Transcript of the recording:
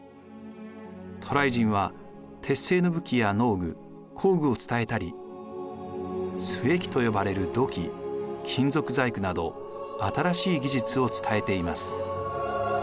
渡来人は鉄製の武器や農具工具を伝えたり須恵器と呼ばれる土器金属細工など新しい技術を伝えています。